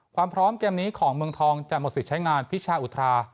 ความพร้อมเกมนี้ของเมืองทองจะหมดสิทธิ์ใช้งานพิชาอุทา